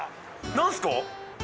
何すか？